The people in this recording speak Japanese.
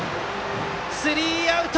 スリーアウト！